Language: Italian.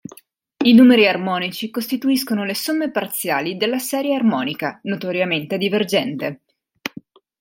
I numeri armonici costituiscono le somme parziali della serie armonica, notoriamente divergente.